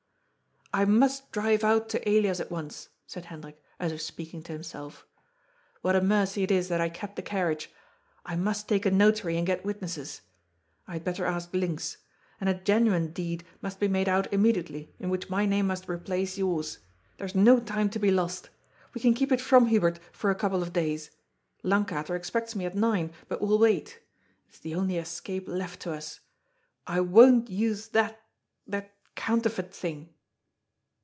" I must drive out to Elias at once," said Hendrik, as if speaking to himself. " What a mercy it is that I kept the* carriage ! I must take a notary and get witnesses. I had better ask Linx. And a genuine deed must be made out immediately, in which my name must replace yours. There is no time to be lost. We can keep it from Hubert for a couple of days. Lankater expects me at nine, but will wait. It is the only escape left to us. I won't use that — ^that counterfeit thing."